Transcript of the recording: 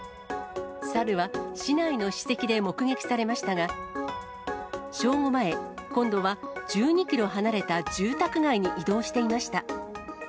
猿は市内の史跡で目撃されましたが、正午前、今度は１２キロ離れた住宅街に移動していました。